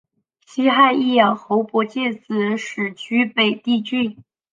西汉义阳侯傅介子始居北地郡。